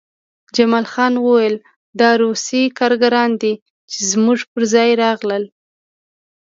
جمال خان وویل دا روسي کارګران دي چې زموږ پرځای راغلل